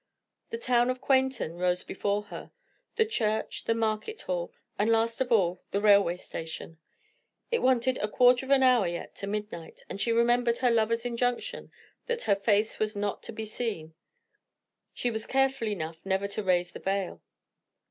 The town of Quainton rose before her, the church, the market hall, and last of all the railway station. It wanted a quarter of an hour yet to midnight, and she remembered her lover's injunction that her face was not to be seen. She was careful enough never to raise the veil.